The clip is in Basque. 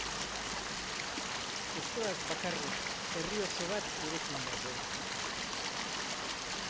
Ez zoaz bakarrik, herri oso bat zurekin dago!